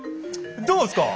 どうっすか？